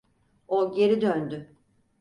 O geri döndü.